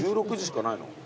１６時しかないの？